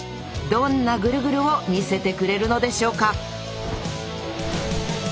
どんなぐるぐるを見せてくれるのでしょうか？